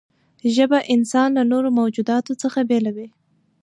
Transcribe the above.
ژبه انسان له نورو موجوداتو څخه بېلوي.